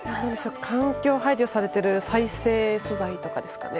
環境に配慮されている再生素材ですか？